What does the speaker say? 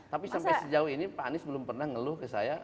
tapi sampai sejauh ini pak anies belum pernah ngeluh ke saya